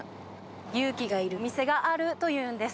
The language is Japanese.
勇気がいる店があるというんです。